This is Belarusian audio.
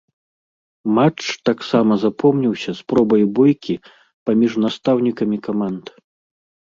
Матч таксама запомніўся спробай бойкі паміж настаўнікамі каманд.